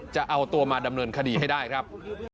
จะเอาตัวมาดำเนินคดีให้ได้ครับ